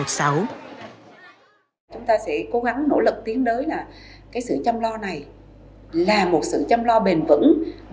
chúng ta sẽ cố gắng nỗ lực tiến đới là sự chăm lo này là một sự chăm lo bền vững